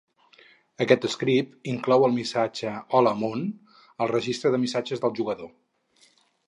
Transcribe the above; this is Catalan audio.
Aquest script inclou el missatge "Hola, món." al registre de missatges del jugador.